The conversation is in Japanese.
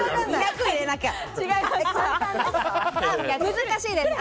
難しいです。